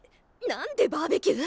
何でバーベキュー？